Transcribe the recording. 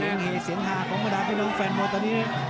เชียงให้เสียงฮาของประดาษแฟนมอเตอร์นี้